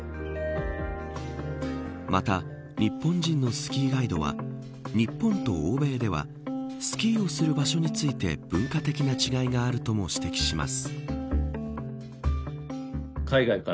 また、日本人のスキーガイドは日本と欧米ではスキーをする場所について文化的な違いがあるとも指摘します。